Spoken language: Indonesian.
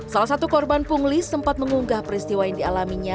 salah satu korban pungli sempat mengunggah peristiwa yang dialaminya